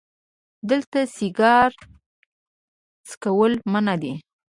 دلته سیګار څکول منع دي🚭